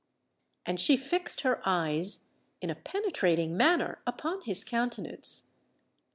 And she fixed her eyes in a penetrating manner upon his countenance.